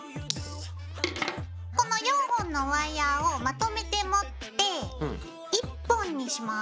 この４本のワイヤーをまとめて持って１本にします。